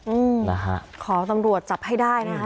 อืมขอตำรวจจับให้ได้นะฮะ